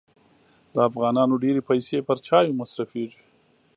د افغانانو ډېري پیسې پر چایو مصرفېږي.